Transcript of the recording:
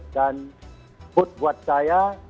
dan food buat saya